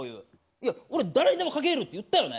いや俺誰にでもかけれるって言ったよね？